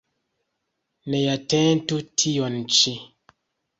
Neatentu tion ĉi.